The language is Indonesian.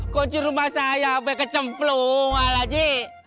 kunci rumah saya kecemplung wala ji